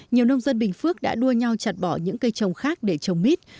nhiều nông dân bình phước đã đua nhau chặt bỏ những cây trồng khác để trồng mít